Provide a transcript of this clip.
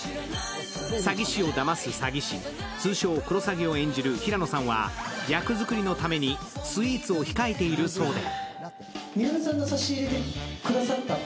詐欺師をだます詐欺師、通称・クロサギを演じる平野さんは役作りのためにスイーツを控えているそうで。